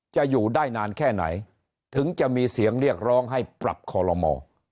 จะอยู่ได้นานแค่ไหนถึงจะมีเสียงเรียกร้องให้ปรับคอลโลมอ